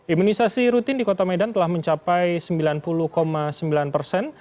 imunisasi rutin di kota medan telah mencapai sembilan puluh sembilan persen